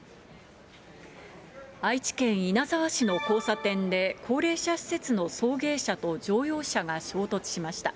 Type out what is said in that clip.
愛知県稲沢市の交差点で、高齢者施設の送迎車と乗用車が衝突しました。